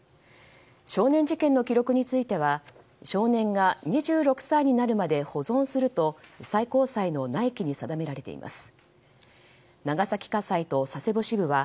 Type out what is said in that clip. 少年事件の記録については少年が２６歳になるまで保存すると最高裁の内規に定められています。